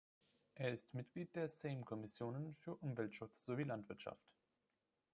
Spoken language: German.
Er ist Mitglied der Sejm-Kommissionen für Umweltschutz sowie Landwirtschaft.